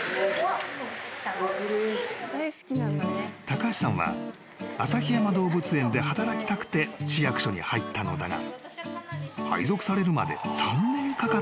［高橋さんは旭山動物園で働きたくて市役所に入ったのだが］